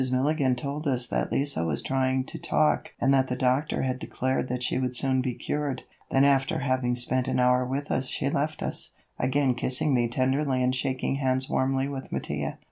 Milligan told us that Lise was still trying to talk and that the doctor had declared that she would soon be cured, then after having spent an hour with us she left us, again kissing me tenderly and shaking hands warmly with Mattia.